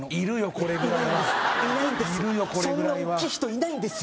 これぐらいはそんな大きい人いないんですよ